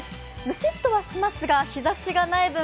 むしっとはしますが日ざしがない分